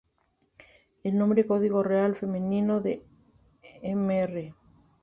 El nombre código real femenino de Mr.